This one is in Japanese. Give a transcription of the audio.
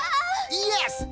イエス！